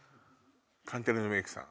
カンテレのメイクさん？